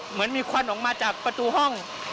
เหมือนมีควันออกมาจากประตูห้อง